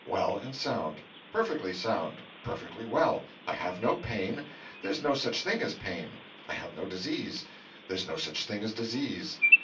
well and sound! Perfectly sound, perfectly well! I have no pain; there's no such thing as pain! I have no disease; there's no such thing as disease!